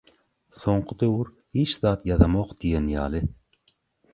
Soňky döwür hiç zat ýazamok diýen ýaly.